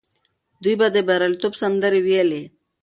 دوی به د بریالیتوب سندرې ویلې.